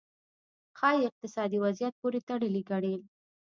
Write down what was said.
ښايي اقتصادي وضعیت پورې تړلې ګڼلې.